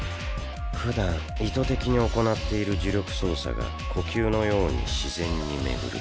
ふだん意図的に行っている呪力操作が呼吸のように自然に巡る。